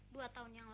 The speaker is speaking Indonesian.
dua tahun yang lalu